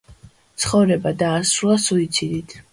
ცხოვრება დაასრულა სუიციდით.